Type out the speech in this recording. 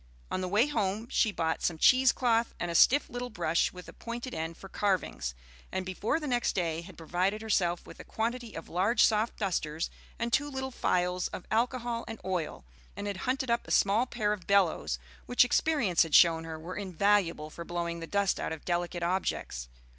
On the way home she bought some cheese cloth and a stiff little brush with a pointed end for carvings, and before the next day had provided herself with a quantity of large soft dusters and two little phials of alcohol and oil, and had hunted up a small pair of bellows, which experience had shown her were invaluable for blowing the dust out of delicate objects.